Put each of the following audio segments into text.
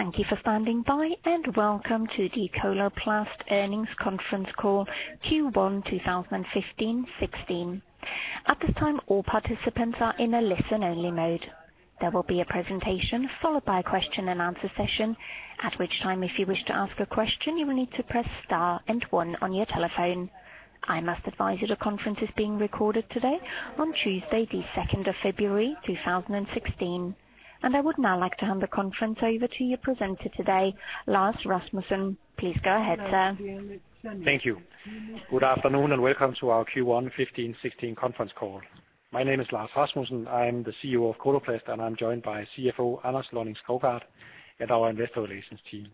Thank you for standing by, and welcome to the Coloplast Earnings Conference Call, Q1 2015-2016. At this time, all participants are in a listen-only mode. There will be a presentation followed by a question-and-answer session, at which time, if you wish to ask a question, you will need to press star and one on your telephone. I must advise you, the conference is being recorded today on Tuesday, the 2nd of February, 2016. I would now like to hand the conference over to your presenter today, Lars Rasmussen. Please go ahead, sir. Thank you. Good afternoon, welcome to our Q1 2015-2016 conference call. My name is Lars Rasmussen. I am the CEO of Coloplast, and I'm joined by CFO Anders Lonning-Skovgaard and our investor relations team.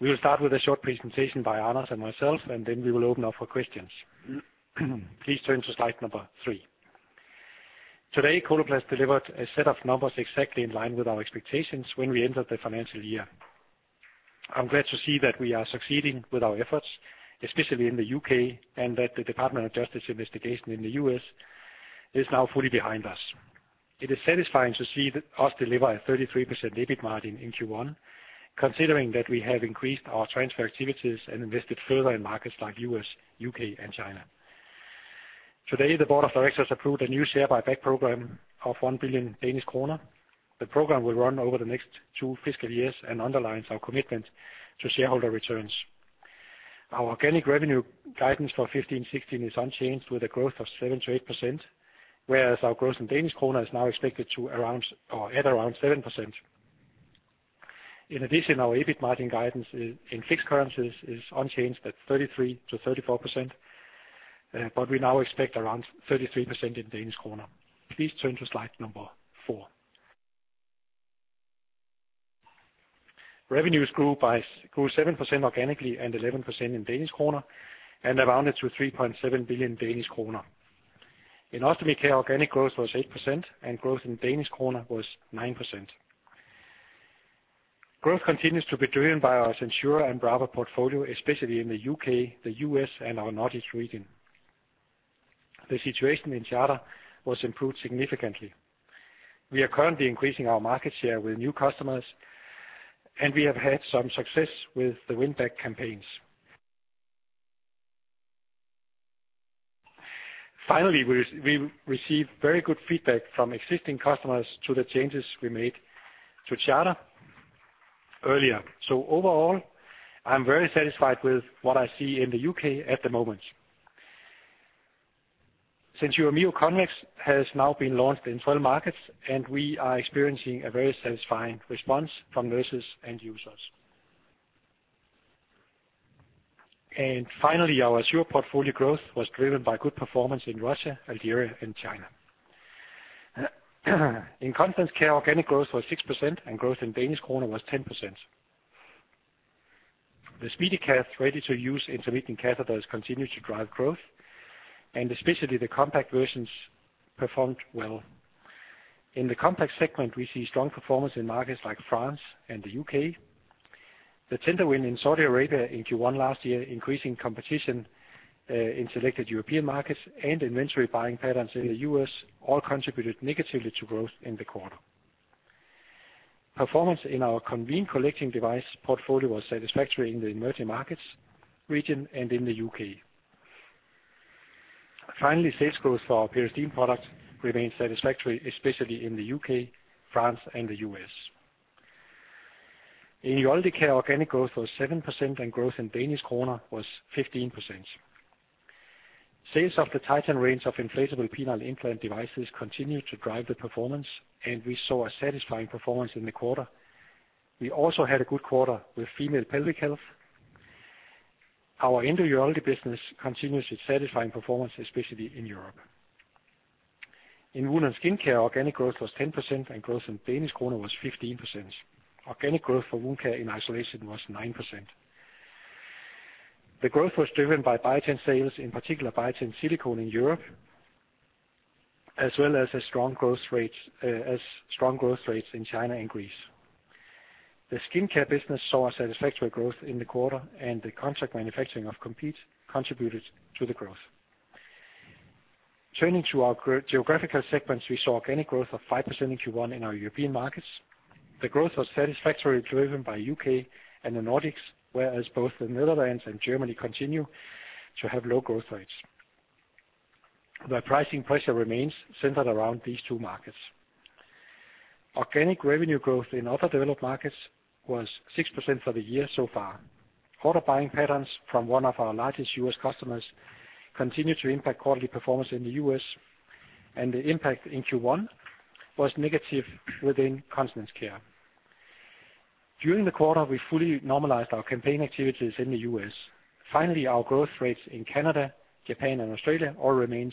We will start with a short presentation by Anders and myself, and then we will open up for questions. Please turn to slide number three. Today, Coloplast delivered a set of numbers exactly in line with our expectations when we entered the financial year. I'm glad to see that we are succeeding with our efforts, especially in the U.K., and that the Department of Justice investigation in the U.S. is now fully behind us. It is satisfying to see that us deliver a 33% EBIT margin in Q1, considering that we have increased our transfer activities and invested further in markets like U.S., U.K., and China. Today, the board of directors approved a new share buyback program of 1 billion Danish kroner. The program will run over the next two fiscal years and underlines our commitment to shareholder returns. Our organic revenue guidance for 2015-2016 is unchanged, with a growth of 7%-8%, whereas our growth in DKK is now expected at around 7%. In addition, our EBIT margin guidance in fixed currencies is unchanged at 33%-34%, but we now expect around 33% in DKK. Please turn to slide four. Revenues grew 7% organically and 11% in DKK and amounted to 3.7 billion Danish kroner. In Ostomy Care, organic growth was 8%, and growth in DKK was 9%. Growth continues to be driven by our SenSura and Brava portfolio, especially in the U.K., the U.S., and our Nordics region. The situation in Charter was improved significantly. We are currently increasing our market share with new customers. We have had some success with the win-back campaigns. Finally, we received very good feedback from existing customers to the changes we made to Charter earlier. Overall, I'm very satisfied with what I see in the U.K. at the moment. SenSura Mio Convex has now been launched in 12 markets. We are experiencing a very satisfying response from nurses and users. Finally, our Assura portfolio growth was driven by good performance in Russia, Algeria, and China. In Continence Care, organic growth was 6%. Growth in DKK was 10%. The SpeediCath ready-to-use intermittent catheters continue to drive growth. Especially the compact versions performed well. In the compact segment, we see strong performance in markets like France and the U.K. The tender win in Saudi Arabia in Q1 last year, increasing competition in selected European markets and inventory buying patterns in the U.S. all contributed negatively to growth in the quarter. Performance in our convene collecting device portfolio was satisfactory in the emerging markets region and in the U.K. Sales growth for our Peristeen product remained satisfactory, especially in the U.K., France, and the U.S. In Urology Care, organic growth was 7%. Growth in DKK was 15%. Sales of the Titan range of inflatable penile implant devices continued to drive the performance. We saw a satisfying performance in the quarter. We also had a good quarter with female pelvic health. Our endourology business continues its satisfying performance, especially in Europe. In Wound & Skin Care, organic growth was 10%, and growth in DKK was 15%. Organic growth for Wound Care in isolation was 9%. The growth was driven by Biatain sales, in particular Biatain Silicone in Europe, as well as strong growth rates in China and Greece. The Skin Care business saw a satisfactory growth in the quarter. The contract manufacturing of Compeed contributed to the growth. Turning to our geographical segments, we saw organic growth of 5% in Q1 in our European markets. The growth was satisfactorily driven by U.K. and the Nordics, whereas both the Netherlands and Germany continue to have low growth rates. The pricing pressure remains centered around these two markets. Organic revenue growth in other developed markets was 6% for the year so far. Quarter buying patterns from one of our largest U.S. customers continued to impact quarterly performance in the U.S., and the impact in Q1 was negative within Continence Care. During the quarter, we fully normalized our campaign activities in the U.S. Finally, our growth rates in Canada, Japan, and Australia all remains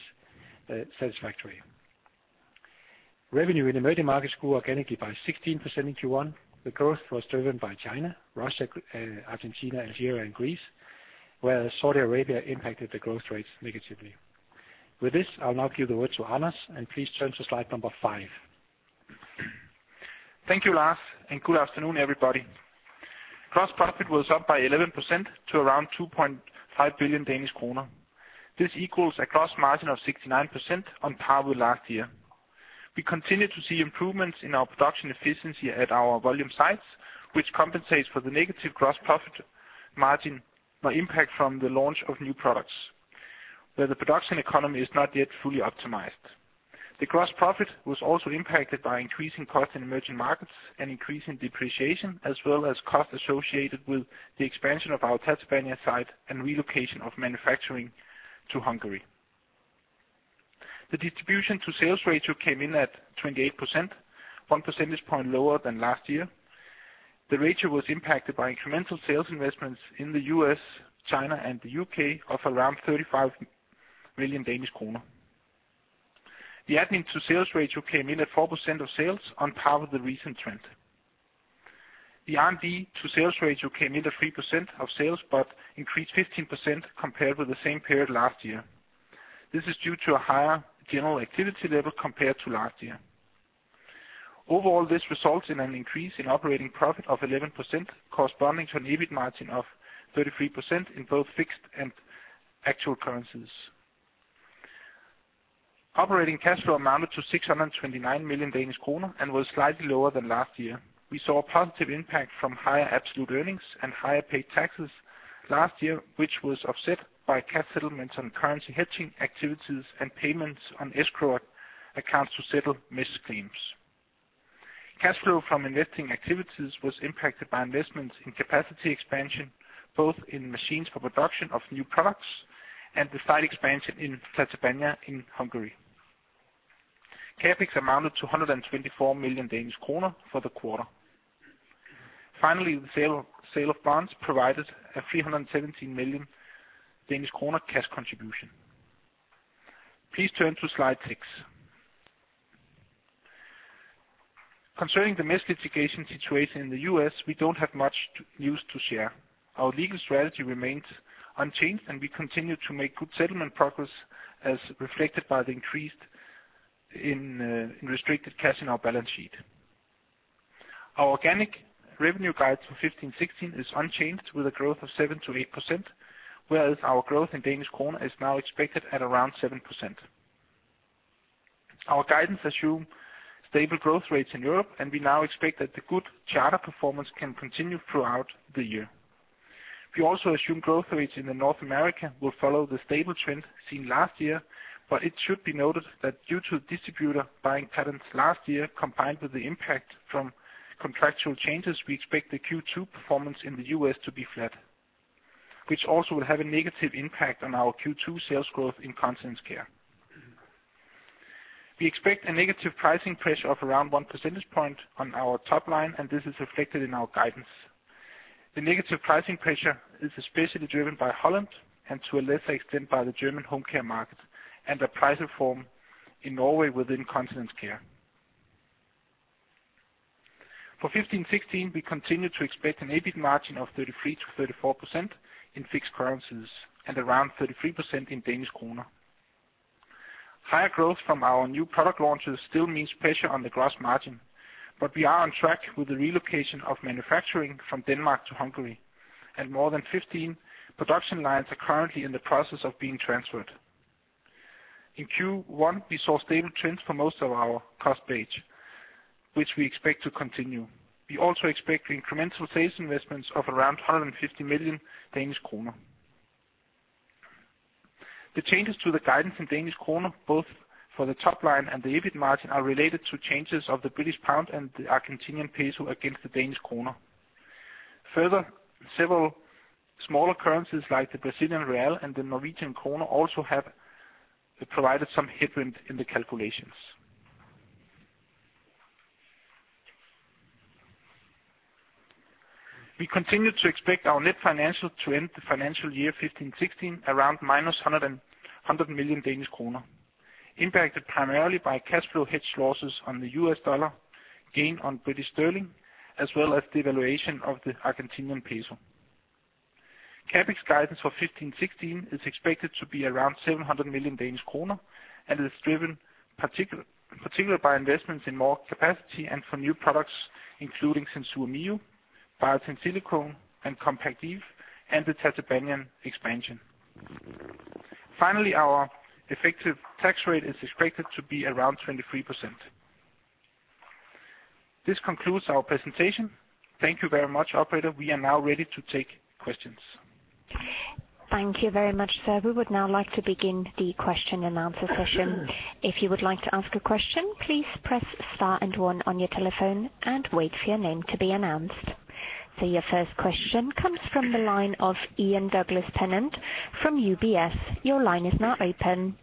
satisfactory. Revenue in emerging markets grew organically by 16% in Q1. The growth was driven by China, Russia, Argentina, Algeria, and Greece, where Saudi Arabia impacted the growth rates negatively. With this, I'll now give the word to Anders, and please turn to slide number five. Thank you, Lars, good afternoon, everybody. Gross profit was up by 11% to around 2.5 billion Danish kroner. This equals a gross margin of 69% on par with last year. We continue to see improvements in our production efficiency at our volume sites, which compensates for the negative gross profit margin by impact from the launch of new products, where the production economy is not yet fully optimized. The gross profit was also impacted by increasing costs in emerging markets and increasing depreciation, as well as costs associated with the expansion of our Tatabánya site and relocation of manufacturing to Hungary. The distribution to sales ratio came in at 28%, 1 percentage point lower than last year. The ratio was impacted by incremental sales investments in the U.S., China, and the U.K. of around 35 million Danish kroner. The admin to sales ratio came in at 4% of sales on par with the recent trend. The R&D to sales ratio came in at 3% of sales, but increased 15% compared with the same period last year. This is due to a higher general activity level compared to last year. Overall, this results in an increase in operating profit of 11%, corresponding to an EBIT margin of 33% in both fixed and actual currencies. Operating cash flow amounted to 629 million Danish kroner and was slightly lower than last year. We saw a positive impact from higher absolute earnings and higher paid taxes last year, which was offset by cash settlements on currency hedging activities and payments on escrow accounts to settle misc claims. Cash flow from investing activities was impacted by investments in capacity expansion, both in machines for production of new products and the site expansion in Tatabánya in Hungary. CapEx amounted to 124 million Danish kroner for the quarter. Finally, the sale of bonds provided a 317 million Danish kroner cash contribution. Please turn to slide six. Concerning the misc litigation situation in the U.S., we don't have much to news to share. Our legal strategy remains unchanged, and we continue to make good settlement progress, as reflected by the increase in restricted cash in our balance sheet. Our organic revenue guide for 2015-2016 is unchanged, with a growth of 7%-8%, whereas our growth in DKK is now expected at around 7%. Our guidance assume stable growth rates in Europe, and we now expect that the good Charter performance can continue throughout the year. We also assume growth rates in the North America will follow the stable trend seen last year, but it should be noted that due to distributor buying patterns last year, combined with the impact from contractual changes, we expect the Q2 performance in the U.S. to be flat, which also will have a negative impact on our Q2 sales growth in Continence Care. We expect a negative pricing pressure of around 1 percentage point on our top line, and this is reflected in our guidance. The negative pricing pressure is especially driven by Holland and to a lesser extent, by the German home care market and the price reform in Norway within Continence Care. For 2015-2016, we continue to expect an EBIT margin of 33%-34% in fixed currencies and around 33% in DKK. Higher growth from our new product launches still means pressure on the gross margin. We are on track with the relocation of manufacturing from Denmark to Hungary, and more than 15 production lines are currently in the process of being transferred. In Q1, we saw stable trends for most of our cost base, which we expect to continue. We also expect incremental sales investments of around 150 million Danish kroner. The changes to the guidance in DKK, both for the top line and the EBIT margin, are related to changes of the British pound and the Argentinian peso against the DKK. Further, several smaller currencies, like the Brazilian real and the Norwegian kroner, also have provided some headwind in the calculations. We continue to expect our net financial to end the financial year 2015-2016 around minus 100 and 100 million, impacted primarily by cash flow hedge losses on the US dollar, gain on British sterling, as well as devaluation of the Argentinian peso. CapEx guidance for 2015-2016 is expected to be around 700 million Danish kroner and is driven particularly by investments in more capacity and for new products, including SenSura Mio, Biatain Silicone, and Compactive, and the Tatabánya expansion. Finally, our effective tax rate is expected to be around 23%. This concludes our presentation. Thank you very much, operator. We are now ready to take questions. Thank you very much, sir. We would now like to begin the question and answer session. If you would like to ask a question, please press star and 1 on your telephone and wait for your name to be announced. Your 1st question comes from the line of Ian Douglas-Pennant from UBS. Your line is now open.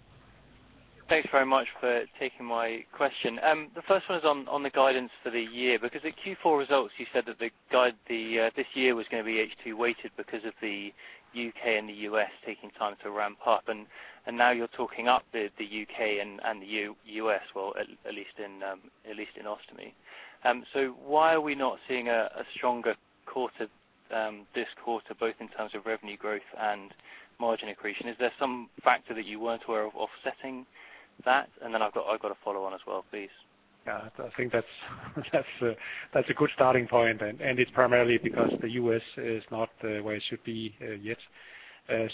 Thanks very much for taking my question. The first one is on the guidance for the year, because the Q4 results, you said that the guide this year was going to be H2 weighted because of the U.K. and the U.S. taking time to ramp up. Now you're talking up the U.K. and the U.S., well, at least in Ostomy. Why are we not seeing a stronger quarter this quarter, both in terms of revenue growth and margin accretion? Is there some factor that you weren't aware of offsetting? That, and then I've got a follow on as well, please. Yeah, I think that's a good starting point, and it's primarily because the U.S. is not where it should be yet.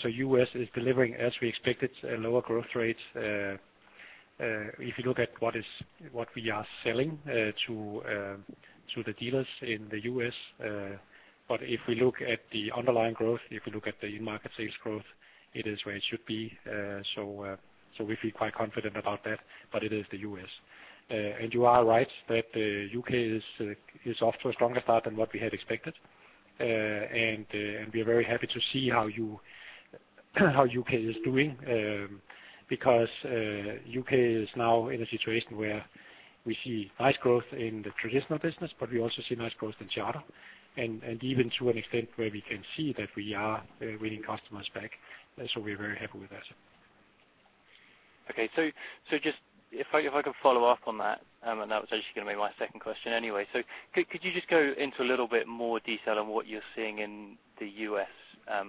U.S. is delivering as we expected, a lower growth rate. If you look at what is, what we are selling to the dealers in the U.S., but if we look at the underlying growth, if we look at the market sales growth, it is where it should be. We feel quite confident about that, but it is the U.S. You are right, that the U.K. is off to a stronger start than what we had expected. We are very happy to see how U.K. is doing. U.K. is now in a situation where we see nice growth in the traditional business, but we also see nice growth in Coloplast Charter. Even to an extent where we can see that we are winning customers back, so we're very happy with that. Okay. Just if I could follow up on that was actually gonna be my second question anyway. Could you just go into a little bit more detail on what you're seeing in the U.S.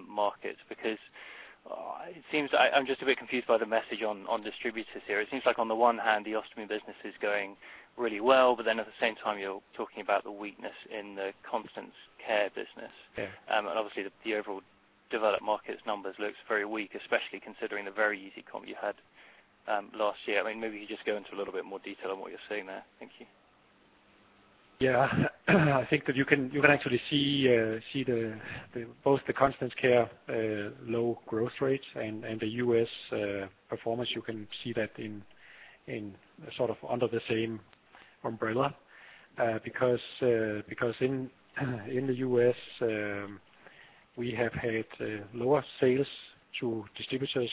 markets? It seems I'm just a bit confused by the message on distributors here. It seems like on the one hand, the Ostomy Care business is going really well, at the same time, you're talking about the weakness in the Continence Care business. Yeah. Obviously the overall developed markets numbers looks very weak, especially considering the very easy comp you had, last year. I mean, maybe you could just go into a little bit more detail on what you're seeing there. Thank you. Yeah. I think that you can actually see the both the Continence Care low growth rates and the U.S. performance. You can see that in sort of under the same umbrella, because in the U.S., we have had lower sales through distributors,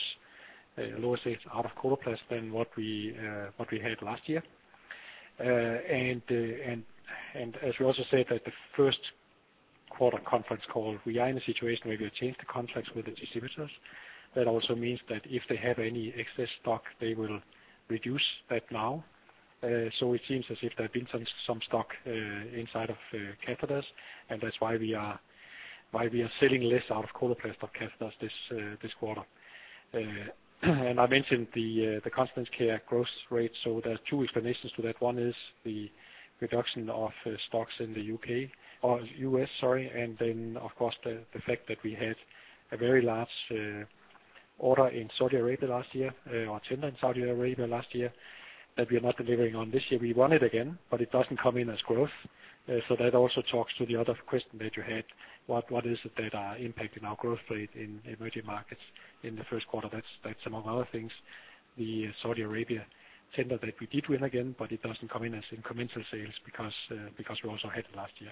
lower sales out of Coloplast than what we had last year. As we also said at the 1st quarter conference call, we are in a situation where we have changed the contracts with the distributors. That also means that if they have any excess stock, they will reduce that now. It seems as if there have been some stock inside of catheters, and that's why we are selling less out of Coloplast of catheters this quarter. I mentioned the Continence Care growth rate, there are two explanations to that. One is the reduction of stocks in the UK, or US, sorry, and of course, the fact that we had a very large order in Saudi Arabia last year, or tender in Saudi Arabia last year, that we are not delivering on this year. We won it again, but it doesn't come in as growth. That also talks to the other question that you had, what is it that impacting our growth rate in emerging markets in the first quarter? That's among other things, the Saudi Arabia tender that we did win again, it doesn't come in as incremental sales because we also had it last year.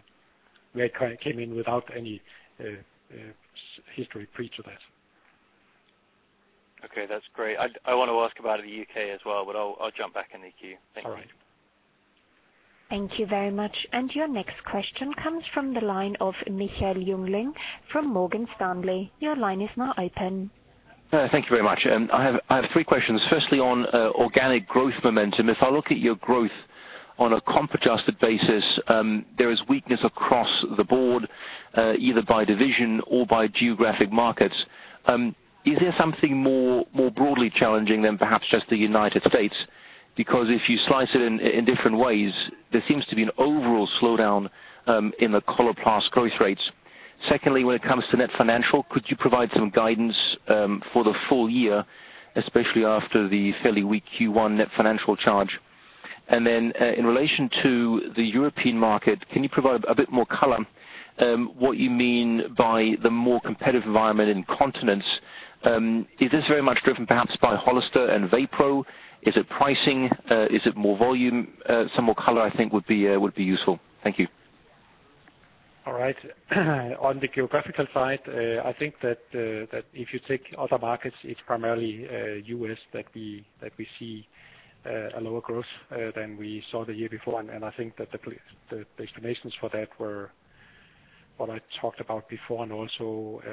We came in without any history pre to that. That's great. I want to ask about the U.K. as well. I'll jump back in the queue. Thank you. All right. Thank you very much. Your next question comes from the line of Michael Jüngling from Morgan Stanley. Your line is now open. Thank you very much, and I have three questions. Firstly, on organic growth momentum. If I look at your growth on a comp adjusted basis, there is weakness across the board, either by division or by geographic markets. Is there something more, more broadly challenging than perhaps just the United States? Because if you slice it in different ways, there seems to be an overall slowdown in the Coloplast growth rates. Secondly, when it comes to net financial, could you provide some guidance for the full year, especially after the fairly weak Q1 net financial charge? In relation to the European market, can you provide a bit more color on what you mean by the more competitive environment in Continence Care? Is this very much driven perhaps by Hollister and VaPro? Is it pricing? Is it more volume? Some more color, I think would be useful. Thank you. All right. On the geographical side, I think that if you take other markets, it's primarily U.S., that we see a lower growth than we saw the year before. I think that the explanations for that were what I talked about before and also,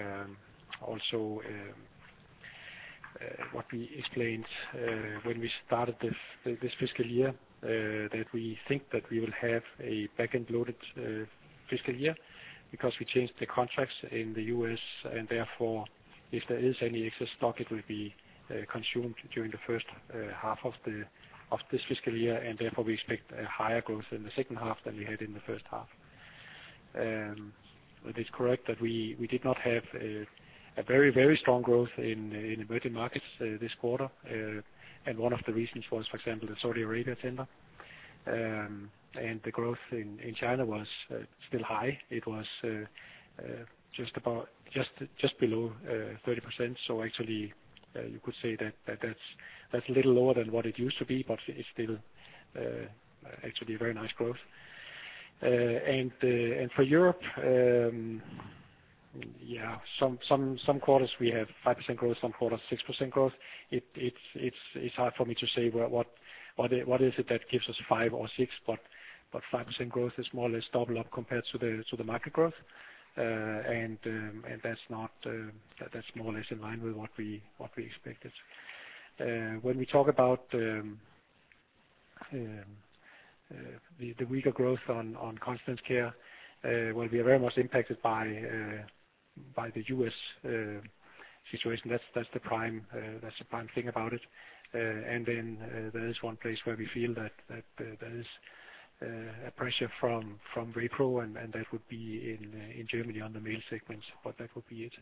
what we explained when we started this fiscal year, that we think that we will have a back-end loaded fiscal year because we changed the contracts in the U.S. Therefore, if there is any excess stock, it will be consumed during the first half of this fiscal year. Therefore, we expect a higher growth in the second half than we had in the first half. It is correct that we did not have a very strong growth in emerging markets this quarter. One of the reasons was, for example, the Saudi Arabia tender. The growth in China was still high. It was just about, just below 30%. Actually, you could say that that's a little lower than what it used to be, but it's still actually very nice growth. For Europe, yeah, some quarters we have 5% growth, some quarters 6% growth. It's hard for me to say what is it that gives us 5% or 6%, but 5% growth is more or less double up compared to the market growth. That's not, that's more or less in line with what we expected. When we talk about the weaker growth on Continence Care, will be very much impacted by the U.S. situation. That's the prime, that's the prime thing about it. Then there is one place where we feel that there is a pressure from WellSpect, and that would be in Germany on the male segment, but that would be it.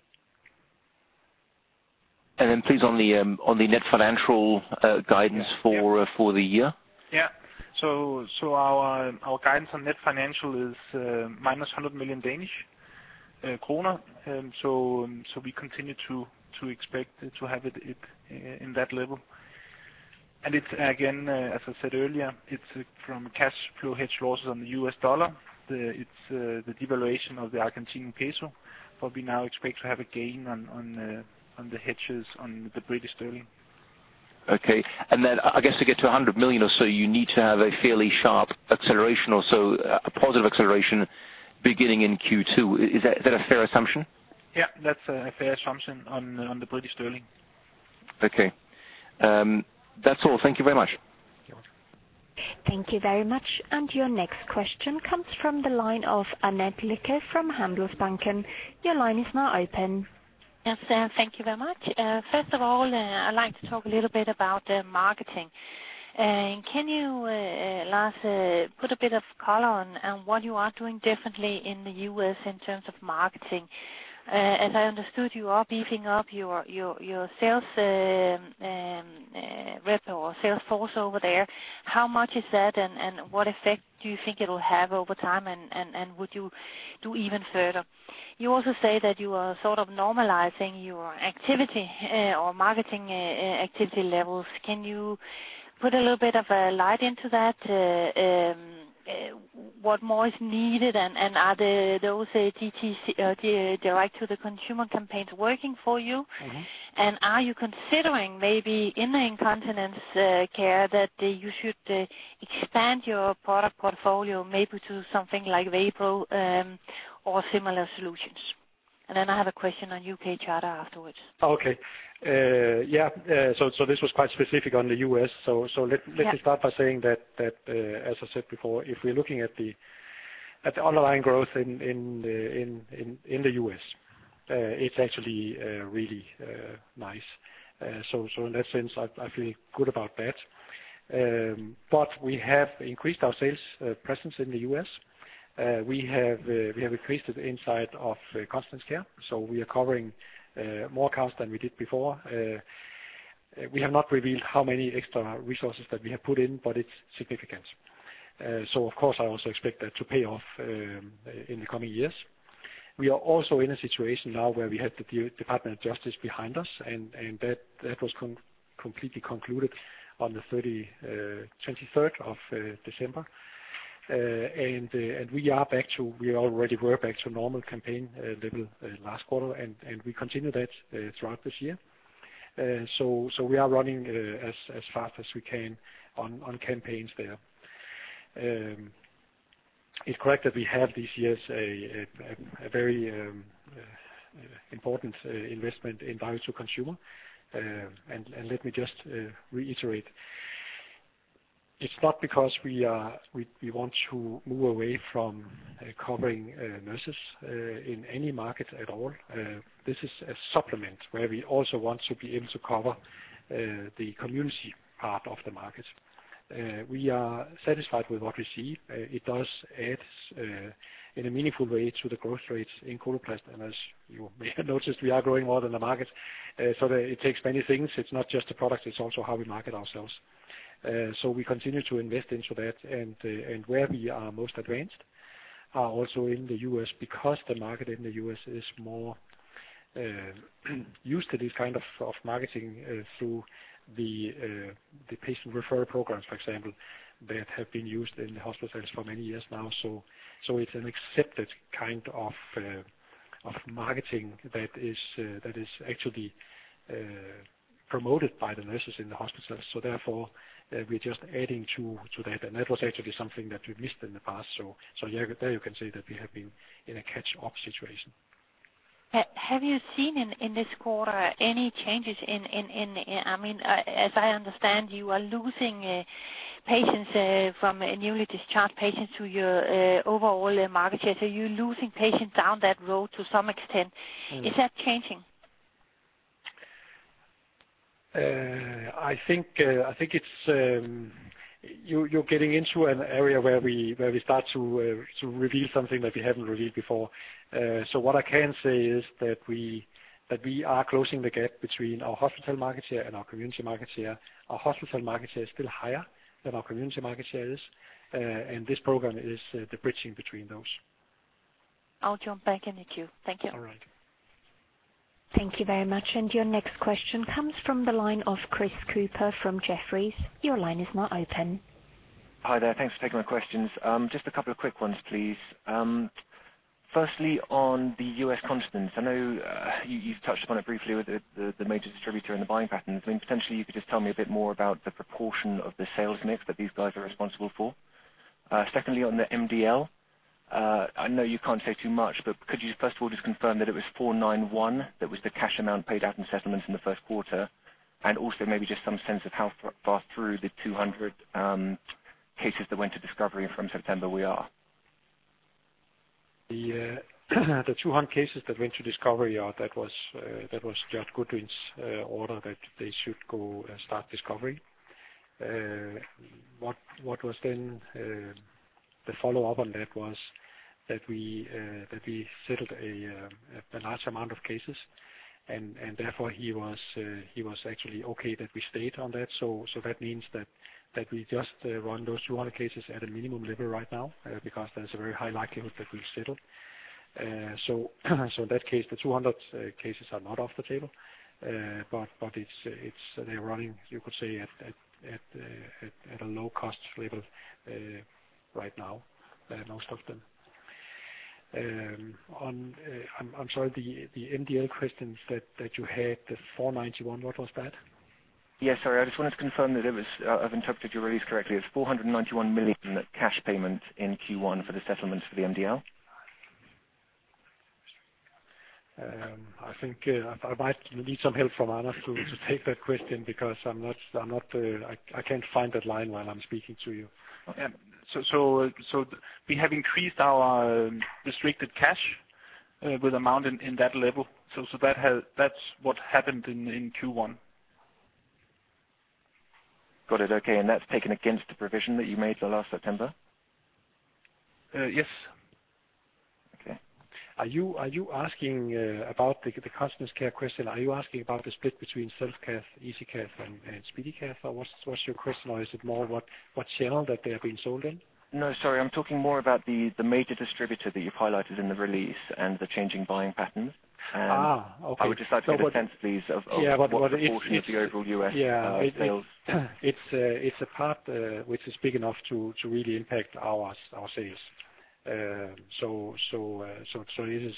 Please, on the net financial guidance. Yeah. for the year? Our guidance on net financial is minus 100 million Danish kroner. We continue to expect to have it in that level. It's, again, as I said earlier, it's from cash flow hedge losses on the US dollar. It's the devaluation of the Argentinian peso, we now expect to have a gain on the hedges on the British pound. Okay. I guess to get to 100 million or so, you need to have a fairly sharp acceleration or so, a positive acceleration beginning in Q2. Is that a fair assumption? Yeah, that's a fair assumption on the British Sterling. Okay. that's all. Thank you very much. You're welcome. Thank you very much. Your next question comes from the line of Annette Lykke from Handelsbanken. Your line is now open. Yes, thank you very much. First of all, I'd like to talk a little bit about the marketing. Can you, Lars, put a bit of color on what you are doing differently in the U.S. in terms of marketing? As I understood, you are beefing up your sales force over there. How much is that, and what effect do you think it'll have over time, and would you do even further? You also say that you are sort of normalizing your activity or marketing activity levels. Can you put a little bit of light into that? What more is needed, and are those DTC direct to the consumer campaigns working for you? Mm-hmm. Are you considering maybe in the Continence Care, that you should expand your product portfolio maybe to something like Wellspect, or similar solutions? I have a question on Coloplast Charter afterwards. Okay. yeah, so this was quite specific on the US. Yeah. -let me start by saying that, as I said before, if we're looking at the underlying growth in the U.S., it's actually, really, nice. In that sense, I feel good about that. We have increased our sales presence in the U.S. We have increased it inside of Continence Care, so we are covering more accounts than we did before. We have not revealed how many extra resources that we have put in, but it's significant. Of course, I also expect that to pay off in the coming years. We are also in a situation now where we have the Department of Justice behind us, and that was completely concluded on the 23rd of December. We already were back to normal campaign level last quarter, and we continue that throughout this year. We are running as fast as we can on campaigns there. It's correct that we have this year's a very important investment in value to consumer. Let me just reiterate, it's not because we want to move away from covering nurses in any market at all. This is a supplement where we also want to be able to cover the community part of the market. We are satisfied with what we see. It does add in a meaningful way to the growth rates in Coloplast. As you may have noticed, we are growing more than the market. It takes many things. It's not just the product, it's also how we market ourselves. We continue to invest into that, and where we are most advanced are also in the U.S., because the market in the U.S. is more used to this kind of marketing through the patient referral programs, for example, that have been used in the hospitals for many years now. It's an accepted kind of marketing that is actually promoted by the nurses in the hospitals. Therefore, we're just adding to that, and that was actually something that we missed in the past. Yeah, there you can say that we have been in a catch-up situation. Have you seen in this quarter any changes in, I mean, as I understand, you are losing patients from newly discharged patients to your overall market share? You're losing patients down that road to some extent. Mm-hmm. Is that changing? I think it's you're getting into an area where we start to reveal something that we haven't revealed before. What I can say is that we are closing the gap between our hospital market share and our community market share. Our hospital market share is still higher than our community market share is. This program is the bridging between those. I'll jump back in the queue. Thank you. All right. Thank you very much. Your next question comes from the line of Chris Cooper from Jefferies. Your line is now open. Hi there. Thanks for taking my questions. Just a couple of quick ones, please. Firstly, on the US Continence, I know you've touched upon it briefly with the major distributor and the buying patterns. I mean, potentially, you could just tell me a bit more about the proportion of the sales mix that these guys are responsible for? Secondly, on the MDL, I know you can't say too much, but could you first of all just confirm that it was 491, that was the cash amount paid out in settlements in the first quarter? Maybe just some sense of how far through the 200 cases that went to discovery from September we are. The 200 cases that went to discovery are, that was Judge Goodwin's order that they should go and start discovery. What was then the follow-up on that was that we settled a large amount of cases and therefore he was actually okay that we stayed on that. That means that we just run those 200 cases at a minimum level right now, because there's a very high likelihood that we settle. In that case, the 200 cases are not off the table. But it's, they're running, you could say, at a low cost level right now, most of them. On, I'm sorry, the MDL questions that you had, the 491, what was that? Yes, sorry. I just wanted to confirm that it was, I've interpreted your release correctly. It's 491 million cash payment in Q1 for the settlements for the MDL? I think, I might need some help from Anders to take that question because I'm not I can't find that line while I'm speaking to you. We have increased our restricted cash with amount in that level. That's what happened in Q1. Got it. Okay, that's taken against the provision that you made the last September? Yes. Okay. Are you asking about the customer care question? Are you asking about the split between Self Care, Easy Care, and Speedy Care? Or what's your question? Or is it more what channel that they have been sold in? No, sorry. I'm talking more about the major distributor that you've highlighted in the release and the changing buying patterns. Okay. I would just like to get a sense, please. Yeah, but. What portion of the overall US sales? It's a part which is big enough to really impact our sales. It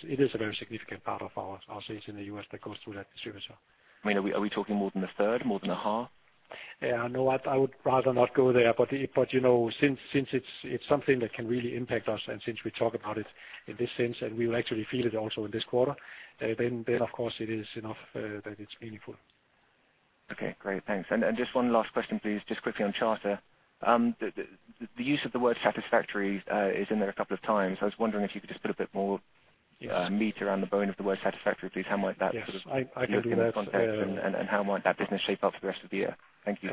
is a very significant part of our sales in the U.S. that goes through that distributor. I mean, are we talking more than a third? More than a half? Yeah, no, I'd, I would rather not go there. But, you know, since it's something that can really impact us, and since we talk about it in this sense, and we will actually feel it also in this quarter, then of course it is enough, that it's meaningful. Okay, great. Thanks. Just one last question, please. Just quickly on Charter. The use of the word satisfactory is in there a couple of times. I was wondering if you could just put a bit more. Yes meat around the bone of the word satisfactory, please. How might that? Yes, I can do that. How might that business shape up for the rest of the year? Thank you.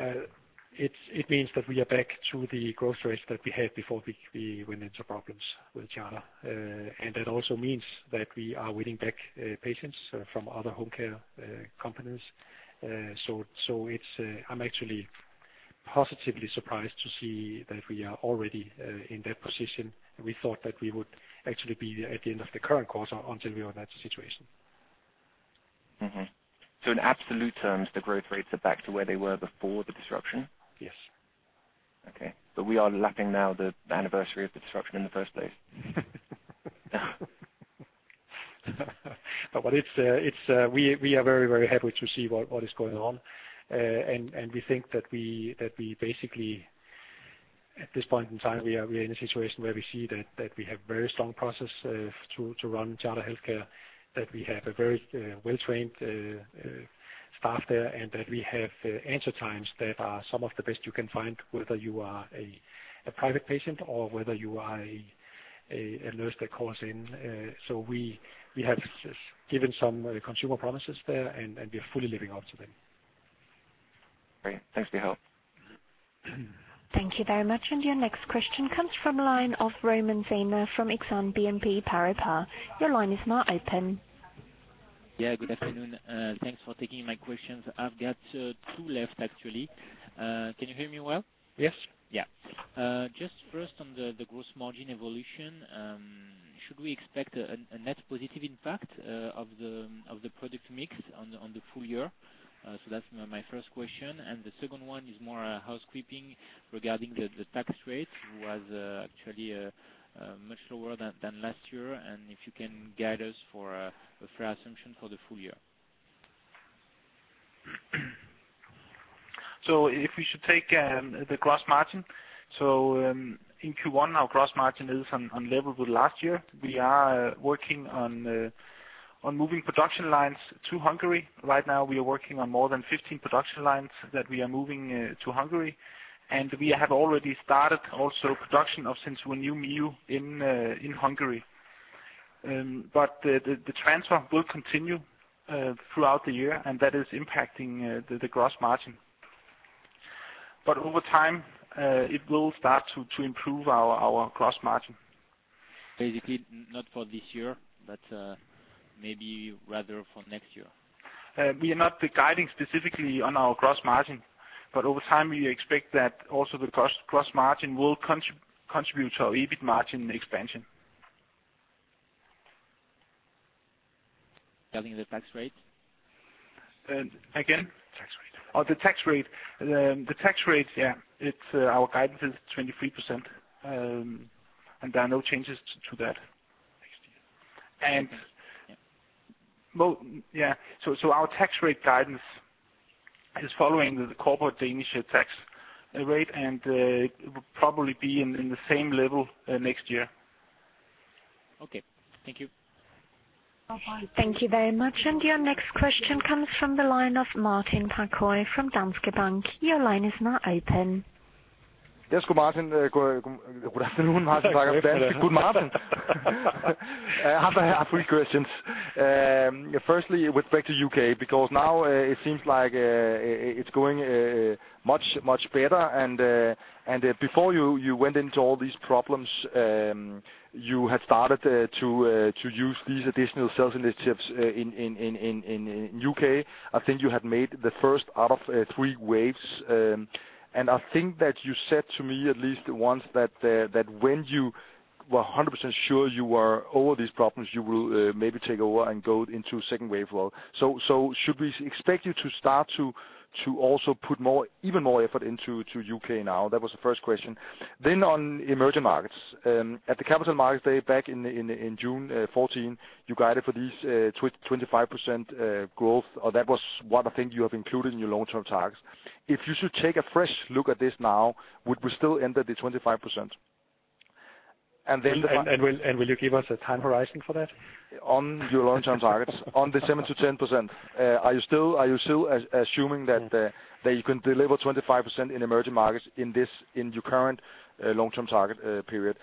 It's, it means that we are back to the growth rates that we had before we went into problems with Charter. It also means that we are winning back patients from other home care companies. It's, I'm actually positively surprised to see that we are already in that position. We thought that we would actually be there at the end of the current quarter, until we are in that situation. Mm-hmm. In absolute terms, the growth rates are back to where they were before the disruption? Yes. Okay. We are lapping now the anniversary of the disruption in the first place? We are very happy to see what is going on. We think that we basically, at this point in time, we are in a situation where we see that we have very strong process to run Coloplast Charter, that we have a very well-trained staff there, and that we have answer times that are some of the best you can find, whether you are a private patient or whether you are a nurse that calls in. We have given some consumer promises there, and we are fully living up to them. Great. Thanks for your help. Thank you very much. Your next question comes from line of Romain Simon from Exane BNP Paribas. Your line is now open. Yeah, good afternoon. Thanks for taking my questions. I've got two left, actually. Can you hear me well? Yes. Yeah. Just first on the gross margin evolution, should we expect a net positive impact of the product mix on the full year? That's my first question, and the second one is more housekeeping regarding the tax rate, which was actually much lower than last year, and if you can guide us for a fair assumption for the full year. If we should take the gross margin, in Q1, our gross margin is on level with last year. We are working on moving production lines to Hungary. Right now we are working on more than 15 production lines that we are moving to Hungary, and we have already started also production of SenSura and Mio in Hungary. But the transfer will continue throughout the year, and that is impacting the gross margin. But over time, it will start to improve our gross margin. Basically, not for this year, but maybe rather for next year? We are not guiding specifically on our gross margin, but over time, we expect that also the gross margin will contribute to our EBIT margin expansion. Tell me the tax rate? again? Tax rate. Oh, the tax rate. The tax rate, yeah, it's our guidance is 23%. There are no changes to that. Well, yeah, so our tax rate guidance is following the corporate Danish tax rate, and it will probably be in the same level next year. Okay, thank you. Thank you very much. Your next question comes from the line of Martin Parkhøi from Danske Bank. Your line is now open. Yes, good Martin, good afternoon, Martin. Good Martin. I have three questions. Firstly, with respect to U.K., because now it seems like it's going much, much better. Before you went into all these problems, you had started to use these additional sales initiatives in U.K. I think you had made the first out of 3 waves. I think that you said to me, at least once, that when you were 100% sure you were over these problems, you will maybe take over and go into second wave world. Should we expect you to start to also put more, even more effort into U.K. now? That was the first question. On emerging markets, at the Capital Markets Day, back in June 14, you guided for these 20%-25% growth, or that was one I think you have included in your long-term targets. If you should take a fresh look at this now, would we still end at the 25%? Will you give us a time horizon for that? On your long-term targets, on the 7%-10%, are you still assuming that you can deliver 25% in emerging markets in this, in your current long-term target period?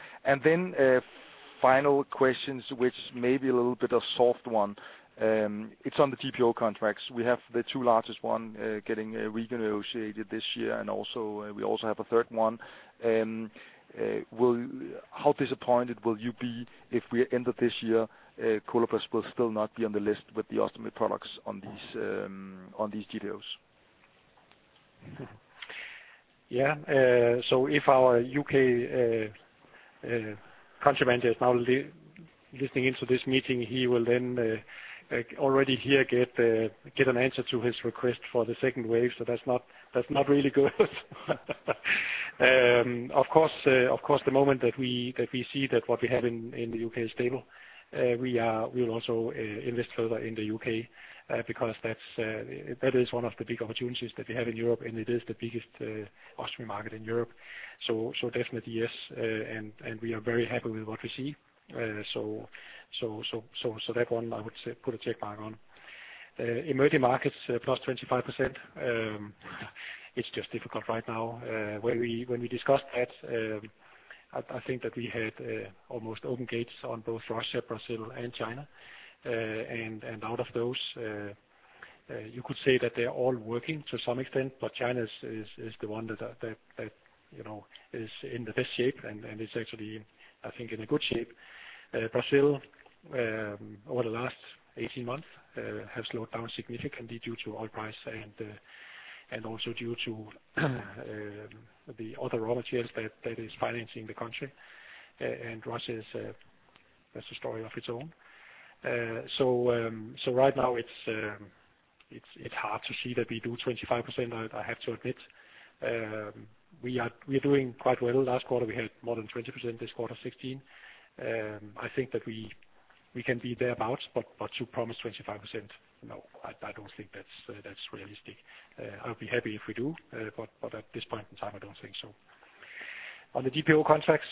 Final questions, which may be a little bit a soft one. It's on the GPO contracts. We have the two largest one getting renegotiated this year, and also, we also have a third one. How disappointed will you be if we end up this year, Coloplast will still not be on the list with the ostomy products on these on these GPOs? Yeah. If our U.K. country manager is now listening into this meeting, he will then already here, get an answer to his request for the second wave. That's not really good. Of course, of course, the moment that we see that what we have in the U.K. is stable, we will also invest further in the U.K., because that is one of the big opportunities that we have in Europe, and it is the biggest ostomy market in Europe. Definitely, yes, and we are very happy with what we see. That one I would say, put a check mark on. Emerging markets, plus 25%, it's just difficult right now. When we discussed that, I think that we had almost open gates on both Russia, Brazil, and China. Out of those, you could say that they are all working to some extent, but China is the one that, you know, is in the best shape, and it's actually, I think, in a good shape. Brazil, over the last 18 months, has slowed down significantly due to oil price and also due to the other raw materials that is financing the country. Russia is, that's a story of its own. Right now it's hard to see that we do 25%, I have to admit. We are doing quite well. Last quarter, we had more than 20%, this quarter, 16%. I think that we can be there about, but to promise 25%, no, I don't think that's realistic. I'll be happy if we do, but at this point in time, I don't think so. On the GPO contracts,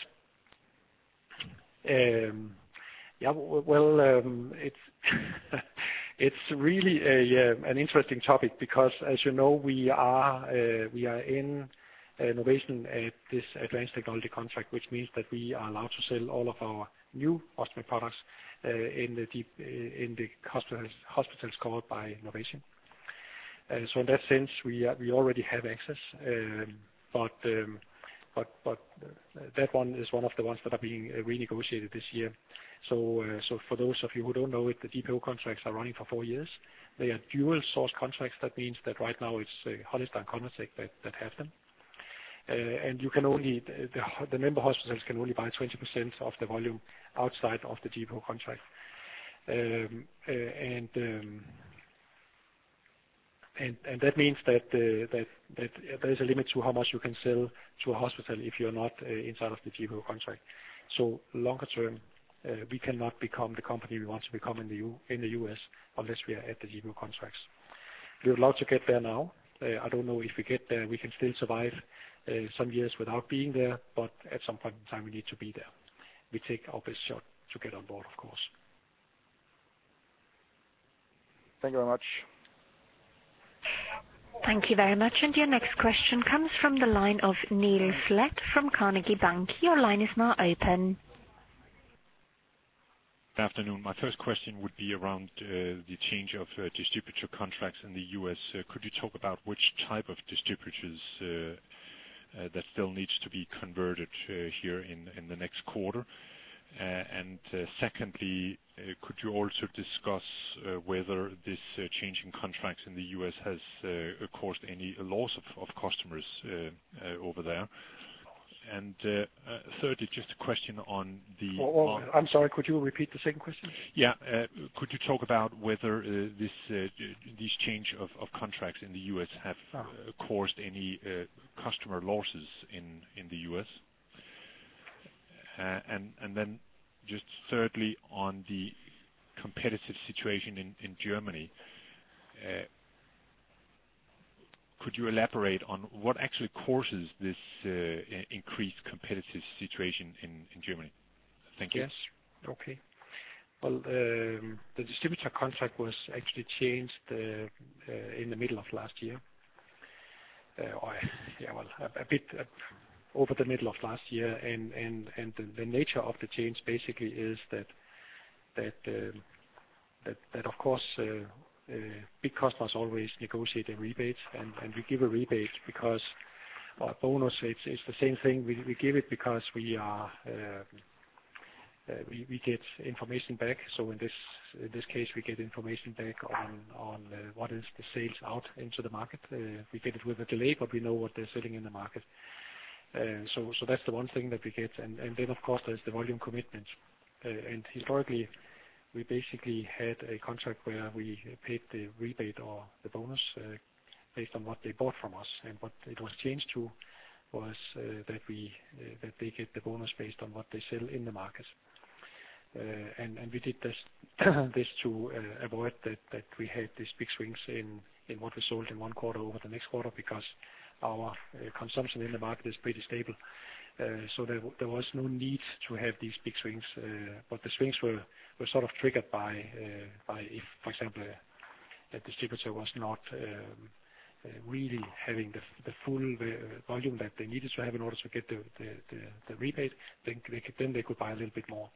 yeah, well, it's really an interesting topic because, as you know, we are in Innovation at this advanced technology contract, which means that we are allowed to sell all of our new ostomy products in the hospitals covered by Innovation. In that sense, we already have access, but that one is one of the ones that are being renegotiated this year. For those of you who don't know it, the GPO contracts are running for four years. They are dual source contracts, that means that right now it's Hollister and ConvaTec that have them. You can only, the member hospitals can only buy 20% of the volume outside of the GPO contract. That means that there's a limit to how much you can sell to a hospital if you're not inside of the GPO contract. Longer term, we cannot become the company we want to become in the U.S. unless we are at the GPO contracts. We would love to get there now. I don't know if we get there, we can still survive some years without being there, but at some point in time, we need to be there. We take our best shot to get on board, of course. Thank you very much. Thank you very much. Your next question comes from the line of Niels Leth from Carnegie Bank. Your line is now open. Afternoon. My first question would be around the change of distributor contracts in the US. Could you talk about which type of distributors that still needs to be converted here in the next quarter? Secondly, could you also discuss whether this change in contracts in the US has caused any loss of customers over there? Thirdly, just a question on the. Oh, oh, I'm sorry, could you repeat the second question? Yeah. Could you talk about whether this change of contracts in the U.S. have caused any customer losses in the U.S. Then just thirdly, on the competitive situation in Germany, could you elaborate on what actually causes this increased competitive situation in Germany? Thank you. Yes. Okay. Well, the distributor contract was actually changed in the middle of last year. Yeah, well, a bit up over the middle of last year, and the nature of the change, basically, is that of course, big customers always negotiate a rebate, and we give a rebate because our bonus, it's the same thing, we give it because we are, we get information back. In this case, we get information back on what is the sales out into the market. We get it with a delay, but we know what they're selling in the market. So that's the one thing that we get. Then, of course, there's the volume commitment. Uh, and historically, we basically had a contract where we paid the rebate or the bonus, uh, based on what they bought from us, and what it was changed to was, uh, that we-- uh, that they get the bonus based on what they sell in the market. Uh, and, and we did this, this to, uh, avoid that, that we had these big swings in, in what we sold in one quarter over the next quarter, because our, uh, consumption in the market is pretty stable. There was no need to have these big swings, but the swings were sort of triggered by, if, for example, a distributor was not really having the full volume that they needed to have in order to get the rebate, then they could buy a little bit more,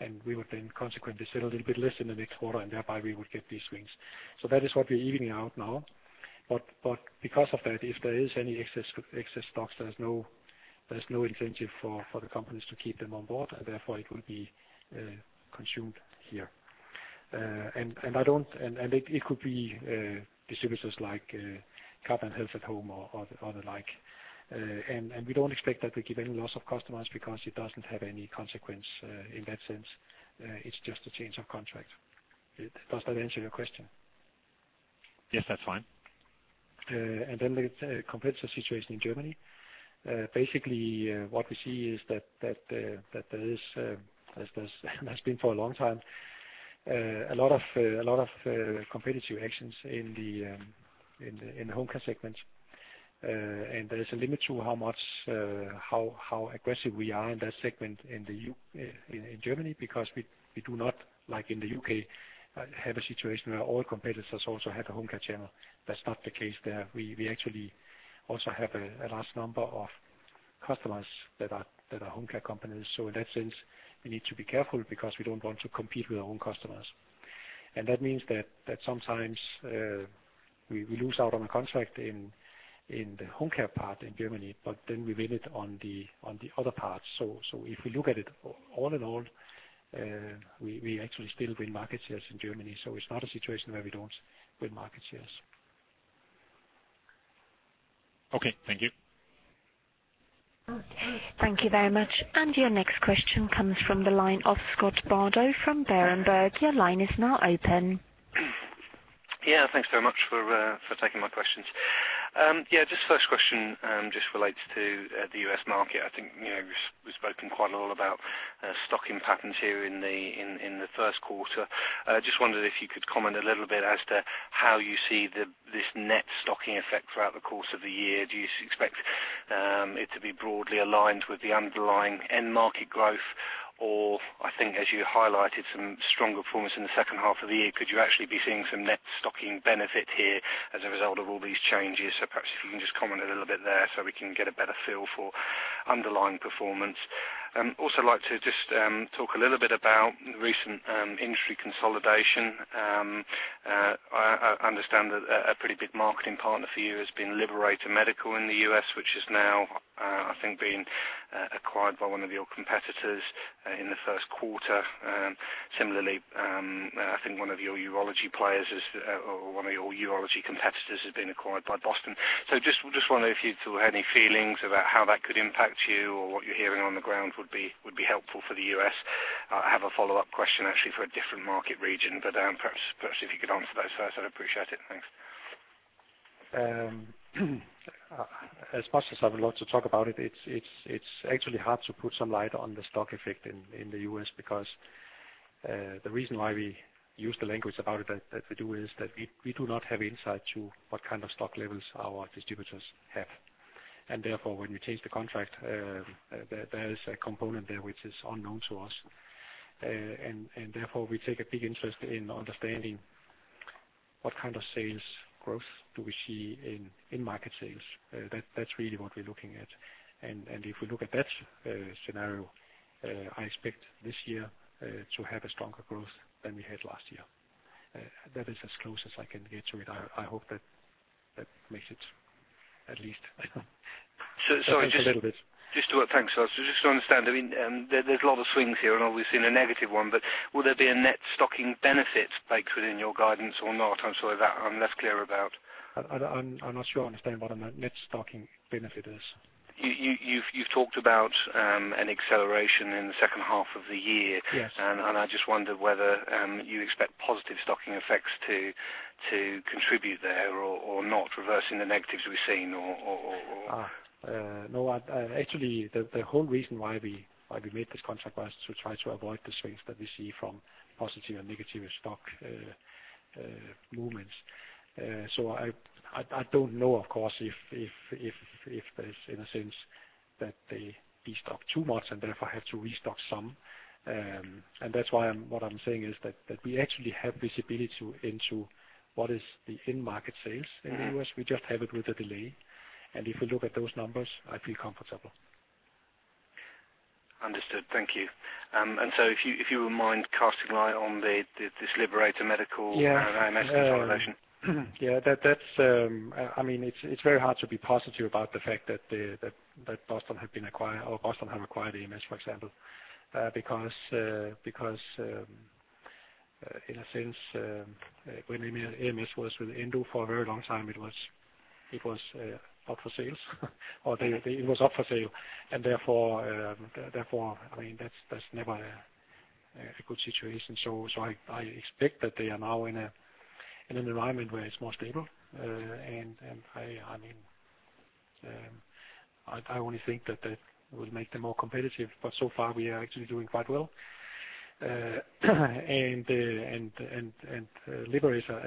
and we would then consequently sell a little bit less in the next quarter, and thereby we would get these swings. That is what we're evening out now. Because of that, if there is any excess stocks, there's no incentive for the companies to keep them on board, and therefore it will be consumed here. It could be distributors like Cardinal Health at-Home or the like. We don't expect that we get any loss of customers because it doesn't have any consequence in that sense, it's just a change of contract. Does that answer your question? Yes, that's fine. Then the competitive situation in Germany. Basically, what we see is that there's been for a long time a lot of competitive actions in the home care segment. There is a limit to how much how aggressive we are in that segment in Germany, because we do not like in the UK have a situation where all competitors also have a home care channel. That's not the case there. We actually also have a large number of customers that are home care companies. In that sense, we need to be careful because we don't want to compete with our own customers. That means that sometimes, we lose out on a contract in the home care part in Germany, but then we win it on the other parts. If we look at it all in all, we actually still win market shares in Germany, so it's not a situation where we don't win market shares. Okay, thank you. Thank you very much. Your next question comes from the line of Scott Bardo from Berenberg. Your line is now open. Thanks so much for taking my questions. Just first question, just relates to the U.S. market. I think, you know, you've spoken quite a lot about stocking patterns here in the first quarter. Just wondered if you could comment a little bit as to how you see this net stocking effect throughout the course of the year. Do you expect it to be broadly aligned with the underlying end market growth? I think, as you highlighted, some stronger performance in the second half of the year, could you actually be seeing some net stocking benefit here as a result of all these changes? Perhaps if you can just comment a little bit there, so we can get a better feel for underlying performance. Also like to just talk a little bit about the recent industry consolidation. I understand that a pretty big marketing partner for you has been Liberator Medical in the U.S., which is now I think been acquired by one of your competitors in the first quarter. Similarly, I think one of your Urology Care competitors has been acquired by Boston Scientific. Just wonder if you two had any feelings about how that could impact you, or what you're hearing on the ground would be helpful for the U.S. I have a follow-up question, actually, for a different market region, but perhaps if you could answer those first, I'd appreciate it. Thanks. As much as I would love to talk about it's actually hard to put some light on the stock effect in the US because the reason why we use the language about it that we do is that we do not have insight to what kind of stock levels our distributors have. Therefore, when we change the contract, there is a component there which is unknown to us. Therefore, we take a big interest in understanding what kind of sales growth do we see in market sales. That's really what we're looking at. If we look at that scenario, I expect this year to have a stronger growth than we had last year. That is as close as I can get to it. I hope that makes it at least. Sorry. a little bit. Just to. Thanks, just to understand, I mean, there's a lot of swings here, obviously in a negative one, will there be a net stocking benefit baked within your guidance or not? I'm sorry that I'm less clear about. I'm not sure I understand what a net stocking benefit is. You've talked about an acceleration in the second half of the year. Yes. I just wondered whether you expect positive stocking effects to contribute there or not reversing the negatives we've seen? No, I, actually, the whole reason why we made this contract was to try to avoid the swings that we see from positive and negative stock movements. I don't know, of course, if there's, in a sense, that they destock too much and therefore have to restock some. That's why what I'm saying is that we actually have visibility into what is the in-market sales in the U.S. Mm-hmm. We just have it with a delay, and if we look at those numbers, I feel comfortable. Understood. Thank you. If you wouldn't mind casting light on this Liberator Medical... Yeah. AMS consolidation. Yeah, that's, I mean, it's very hard to be positive about the fact that Boston have been acquired, or Boston have acquired AMS, for example. Because, in a sense, when AMS was with Endo for a very long time, it was up for sale. Therefore, therefore, I mean, that's never a good situation. I expect that they are now in an environment where it's more stable. I mean, I only think that will make them more competitive, but so far we are actually doing quite well. Liberator,